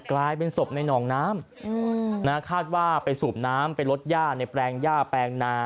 กลายเป็นศพในหนองน้ำคาดว่าไปสูบน้ำไปลดย่าในแปลงย่าแปลงนา